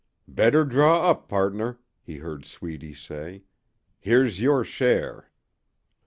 "Better draw up, pardner," he heard Sweedy say. "Here's your share."